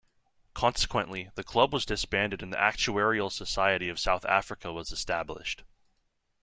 Consequently, the Club was disbanded and the Actuarial Society of South Africa was established.